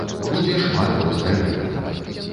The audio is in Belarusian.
Будзе шмат рознай рыбы.